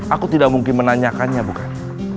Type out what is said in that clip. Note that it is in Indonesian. aku tidak mungkin menanyakannya bukan